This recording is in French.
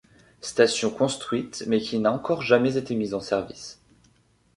Station construite mais qui n'a encore jamais été mise en service.